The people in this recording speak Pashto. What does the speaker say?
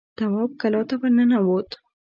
تواب کلا ته ور ننوت.